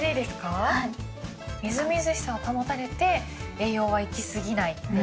みずみずしさは保たれて栄養はいきすぎないという。